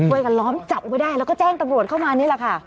ช่วยกันล้อมจับไว้ได้แล้วก็แจ้งตำรวจเข้ามานี่แหละค่ะ